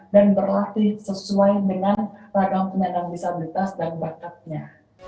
dan berlatih sesuai dengan ragam penyandang disabilitas dan bakatnya